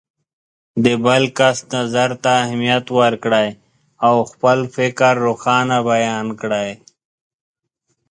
د بل کس نظر ته اهمیت ورکړئ او خپل فکر روښانه بیان کړئ.